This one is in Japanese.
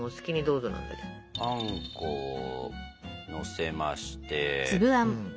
あんこをのせまして。